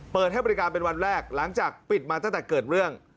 เปิดให้บริการเป็นวันแรกหลังจากปิดมาตั้งแต่เกิดเรื่อง